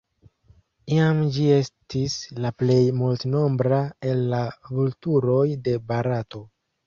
Iam ĝi estis la plej multnombra el la vulturoj de Barato.